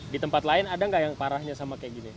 di tempat lain ada nggak yang parahnya sama kayak gini